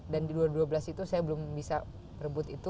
dan di dua ribu dua belas itu saya belum bisa merebut itu